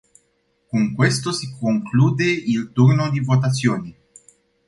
Con questo si conclude il turno di votazioni.